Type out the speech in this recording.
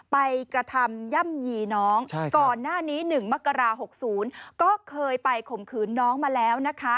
ไปกระทำย่ำยีน้องก่อนหน้านี้๑มกรา๖๐ก็เคยไปข่มขืนน้องมาแล้วนะคะ